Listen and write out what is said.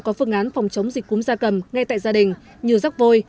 có phương án phòng chống dịch cúm da cầm ngay tại gia đình như rắc vôi